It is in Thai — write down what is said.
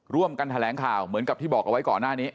ร่วมกันแถลงข่าวเหมือนกับที่บอกเอาไว้ก่อนหน้านี้